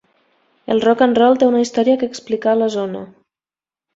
El Rock'n'Roll té una història que explicar a la zona.